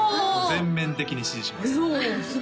全面的に支持します